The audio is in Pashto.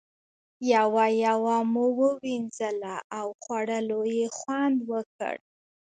یوه یوه مو ووینځله او خوړلو یې خوند وکړ.